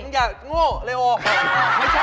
อย่างโหลไม่ใช่